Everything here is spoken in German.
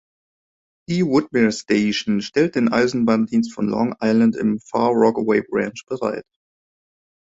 Die Woodmere-Station stellt den Eisenbahndienst von Long Island im Far Rockaway Branch bereit.